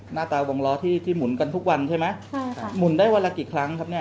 หน้าตาวงล้อที่ที่หมุนกันทุกวันใช่ไหมใช่ค่ะหมุนได้วันละกี่ครั้งครับเนี่ย